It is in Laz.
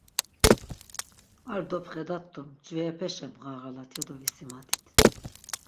Ar dopxedat do mcveepeşen bğarğalat ya do visimadit.